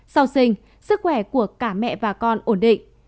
sau sinh sức khỏe của cả mẹ và con ổn định